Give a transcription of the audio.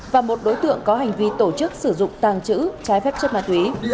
và một đối tượng có hành vi tổ chức sử dụng tàng trữ trái phép chất ma túy